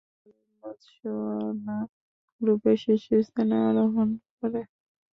এরফলে, বতসোয়ানা গ্রুপের শীর্ষস্থানে আরোহণ করে।